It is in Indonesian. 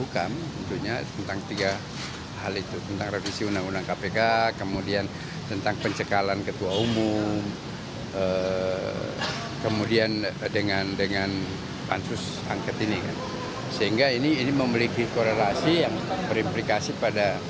ketua bidang hukum ktp